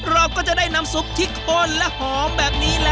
เราก็จะได้น้ำซุปที่ข้นและหอมแบบนี้แล้ว